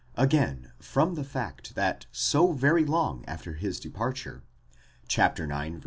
Again, from the fact that so very long after his departure (ix. 51—xvii.